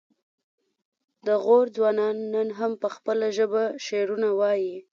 د غور ځوانان نن هم په خپله ژبه شعرونه وايي